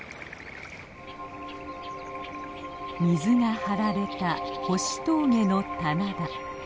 水が張られた星峠の棚田。